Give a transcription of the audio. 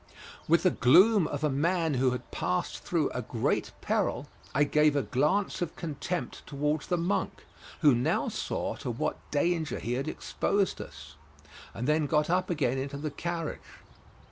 With the gloom of a man who has passed through a great peril, I gave a glance of contempt towards the monk, who now saw to what danger he had exposed us, and then got up again into the carriage.